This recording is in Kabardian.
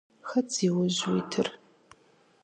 Хэт зиужь уитыр?